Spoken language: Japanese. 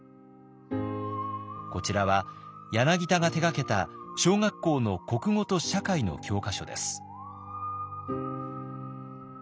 こちらは柳田が手がけた小学校の国語と社会の教科書です。